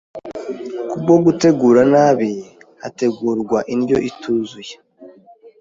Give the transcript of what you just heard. kubwo gutegura nabi, hagategurwa indyo ituzuye”